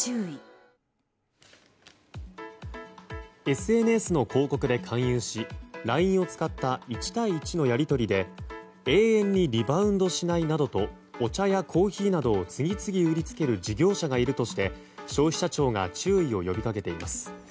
ＳＮＳの広告で勧誘しＬＩＮＥを使った１対１のやり取りで永遠にリバウンドしないなどとお茶やコーヒーなどを次々売りつける事業者がいるとして、消費者庁が注意を呼びかけています。